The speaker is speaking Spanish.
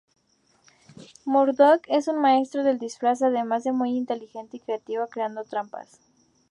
Murdoc es un maestro del disfraz, además de muy inteligente y creativo creando trampas.